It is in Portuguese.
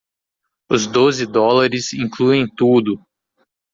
Os doze dólares incluem tudo.